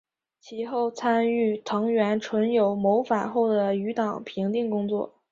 其后参与藤原纯友谋反后的余党平定工作。